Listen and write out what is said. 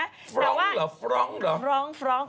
ร้องเหรอฟร้องเหรอร้องฟร้อง